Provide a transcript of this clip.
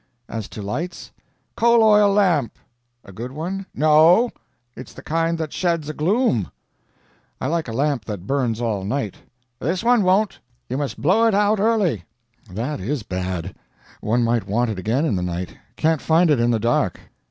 "As to lights?" "Coal oil lamp." "A good one?" "No. It's the kind that sheds a gloom." "I like a lamp that burns all night." "This one won't. You must blow it out early." "That is bad. One might want it again in the night. Can't find it in the dark."